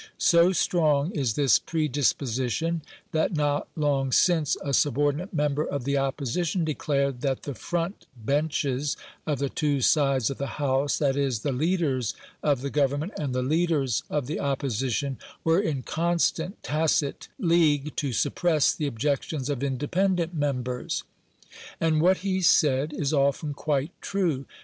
So strong is this predisposition, that not long since a subordinate member of the Opposition declared that the "front benches" of the two sides of the House that is, the leaders of the Government and the leaders of the Opposition were in constant tacit league to suppress the objections of independent members. And what he said is often quite true.